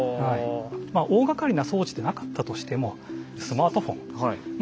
まあ大がかりな装置でなかったとしてもスマートフォンまあ